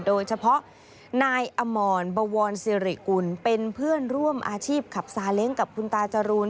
โดยเฉพาะนายอมรบวรสิริกุลเป็นเพื่อนร่วมอาชีพขับซาเล้งกับคุณตาจรูน